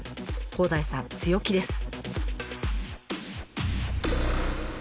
広大さん強気です。